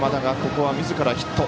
ここは、みずからヒット。